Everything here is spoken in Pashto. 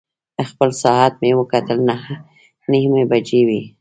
خپل ساعت مې وکتل، نهه نیمې بجې وې.